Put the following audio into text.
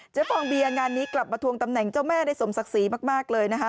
ฟองเบียร์งานนี้กลับมาทวงตำแหน่งเจ้าแม่ได้สมศักดิ์ศรีมากเลยนะคะ